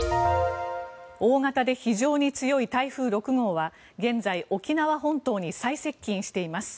大型で非常に強い台風６号は現在、沖縄本島に最接近しています。